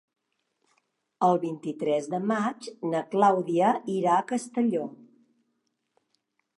El vint-i-tres de maig na Clàudia irà a Castelló.